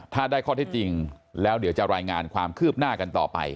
ถ้าได้ข้อเท็จจริงแล้วเดี๋ยวจะรายงานความคืบหน้ากันต่อไป